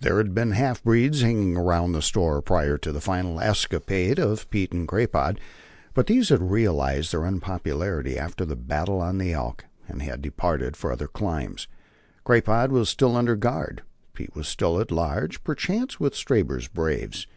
There had been halfbreeds hanging about the store prior to the final escapade of Pete and Crapaud, but these had realized their unpopularity after the battle on the Elk, and had departed for other climes. Crapaud was still under guard. Pete was still at large, perchance, with Stabber's braves.